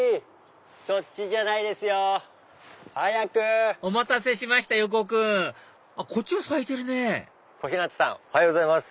そっちじゃないですよ！早く！お待たせしました横尾君こっちは咲いてるね小日向さんおはようございます。